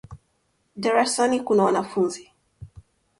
Darasani kuna wanafunzi.